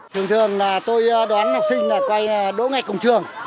thường thường là tôi đoán học sinh là quay đỗ ngay cổng trường